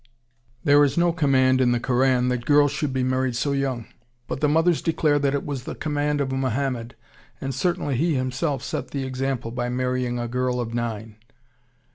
There is no command in the Koran that girls should be married so young, but the mothers declare that it was the command of Mohammed, and certainly he himself set the example by marrying a girl of nine....